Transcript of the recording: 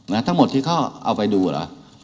นะทั้งหมดที่เขาเอาไปดูอ่ะล่ะ